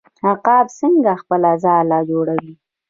عقاب څنګه خپله ځاله جوړوي؟